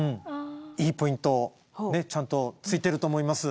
いいポイントをちゃんとついてると思います。